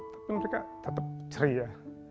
tapi mereka tetap ceria